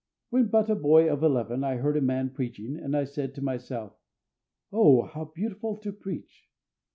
When but a boy of eleven, I heard a man preaching, and I said to myself, "Oh, how beautiful to preach!"